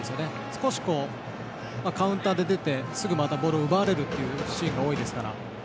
少しカウンターで出てすぐまたボールを奪われるシーンが多いですから。